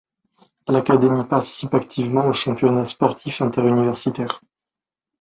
L'académie participe activement aux championnats sportifs inter-universitaires.